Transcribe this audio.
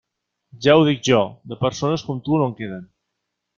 Ja ho dic jo; de persones com tu, no en queden.